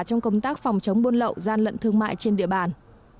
trong công tác phòng chống buôn lậu gian lận thương mại trên địa bàn